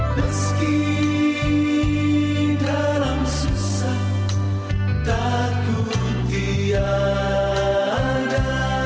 meski dalam susah takut tiada